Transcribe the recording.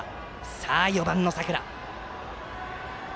さあ、４番の佐倉。